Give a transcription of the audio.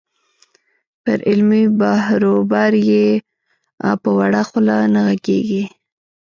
پر علمي بحروبر یې په وړه خوله نه غږېږې.